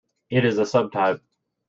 It is a sub-type.